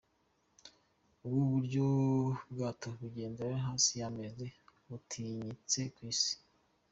Ubu Nibwo bwato bugendera hasi y’amazi butinyitse ku Isi .